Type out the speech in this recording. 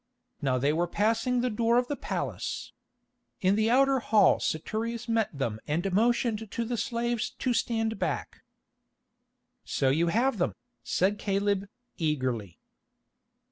Now they were passing the door of the palace. In the outer hall Saturius met them and motioned to the slaves to stand back. "So you have them," said Caleb, eagerly.